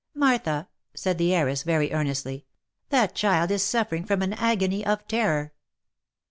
" Martha!" said the heiress, very earnestly, " that child is suffering from an agony of terror."